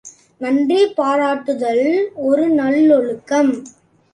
நன்றி பாராட்டுதல் ஒரு நல்லொழுக்கம்.